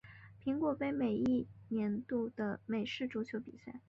苹果杯每年一度的美式足球比赛。